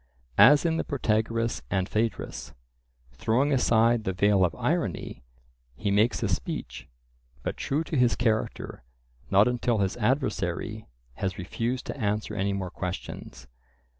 As in the Protagoras and Phaedrus, throwing aside the veil of irony, he makes a speech, but, true to his character, not until his adversary has refused to answer any more questions.